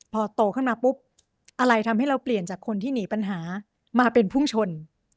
พอโตขึ้นมาปุ๊บอะไรทำให้เราเปลี่ยนจากคนที่หนีปัญหามาเป็นพุ่งชน